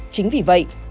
chính vì vậy